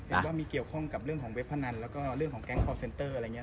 เห็นว่ามีเกี่ยวข้องกับเรื่องของเว็บพนันแล้วก็เรื่องของแก๊งคอร์เซนเตอร์อะไรอย่างนี้